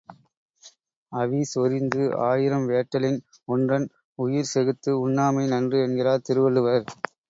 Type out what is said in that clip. அவிசொரிந்து ஆயிரம் வேட்டலின் ஒன்றன் உயிர்செகுத்து உண்ணாமை நன்று என்கிறார் திருவள்ளுவர்.